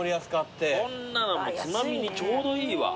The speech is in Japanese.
こんなのつまみにちょうどいいわ。